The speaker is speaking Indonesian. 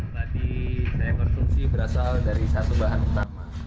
padi saya konsumsi berasal dari satu bahan utama